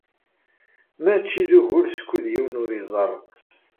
Mačči d ugur skud yiwen ur iẓerr.